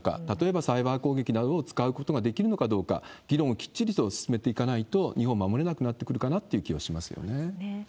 例えばサイバー攻撃などを使うことができるのかどうか、議論をきっちりと進めていかないと、日本を守れなくなってくるという気はしますよね。